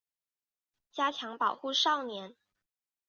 加强保护少年